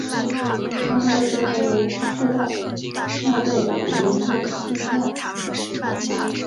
他何德何能受到诺贝尔委员会的青睐。